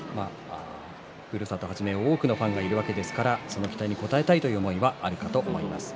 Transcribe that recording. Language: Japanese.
ふるさとをはじめ多くのファンがいるわけですからその期待に応えたいという思いはあるかと思います。